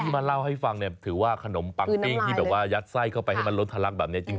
มาเล่าให้ฟังเนี่ยถือว่าขนมปังปิ้งที่แบบว่ายัดไส้เข้าไปให้มันล้นทะลักแบบนี้จริง